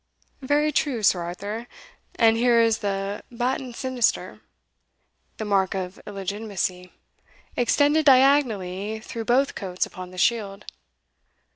"Very true, Sir Arthur; and here is the baton sinister, the mark of illegitimacy, extended diagonally through both coats upon the shield.